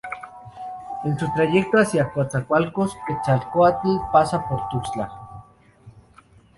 En su trayecto hacia Coatzacoalcos, Quetzalcoatl pasa por Tuxtla.